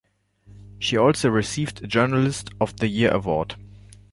She also received a journalist of the year award.